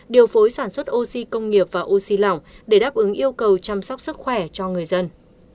điều phối sản xuất oxy công nghiệp và oxy lỏng để đáp ứng yêu cầu chăm sóc sức khỏe cho người dân